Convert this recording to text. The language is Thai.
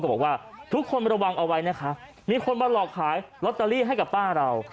บอกว่าทุกคนระวังเอาไว้นะคะมีคนมาหลอกขายลอตเตอรี่ให้กับป้าเรา